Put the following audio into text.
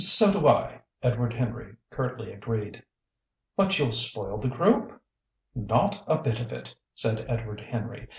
"So do I!" Edward Henry curtly agreed. "But you'll spoil the group!" "Not a bit of it!" said Edward Henry.